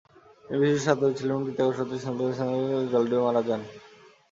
তিনি বিশিষ্ট সাঁতারু ছিলেন কিন্তু তা সত্ত্বেও পুকুরে স্নান করার সময়ে জলে ডুবে মারা যান।